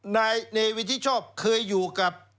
นายเนวินที่ชอบเคยอยู่กับ